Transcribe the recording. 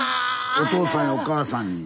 お父さんやお母さんに。